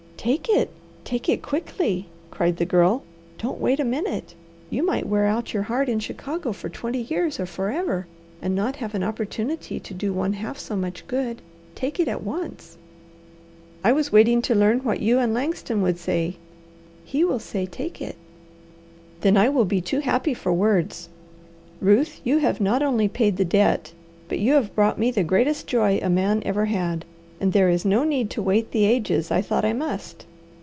"Take it! Take it quickly!" cried the Girl. "Don't wait a minute! You might wear out your heart in Chicago for twenty years or forever, and not have an opportunity to do one half so much good. Take it at once!" "I was waiting to learn what you and Langston would say." "He will say take it." "Then I will be too happy for words. Ruth, you have not only paid the debt, but you have brought me the greatest joy a man ever had. And there is no need to wait the ages I thought I must.